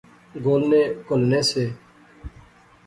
گولنے کہلنے سے